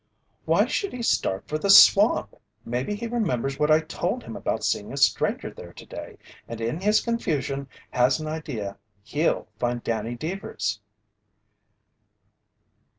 "Why would he start for the swamp? Maybe he remembers what I told him about seeing a stranger there today, and in his confusion, has an idea he'll find Danny Deevers!"